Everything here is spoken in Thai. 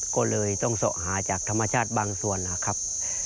ก็เลยต้องเสาะหาจากธรรมชาติบางส่วนนะครับ